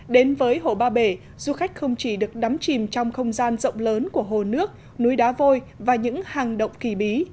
đến với hồ ba bể du khách không chỉ được đắm chìm trong không gian rộng lớn của hồ nước núi đá vôi và những hàng động kỳ bí